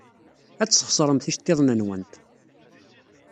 Ad tesxeṣremt iceḍḍiḍen-nwent.